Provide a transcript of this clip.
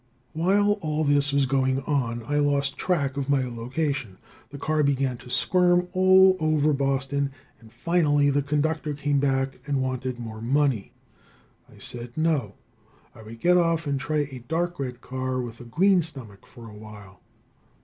While all this was going on I lost track of my location. The car began to squirm around all over Boston, and finally the conductor came back and wanted more money. I said no, I would get off and try a dark red car with a green stomach for a while.